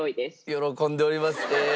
喜んでおります。